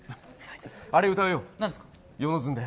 あれを歌うよ。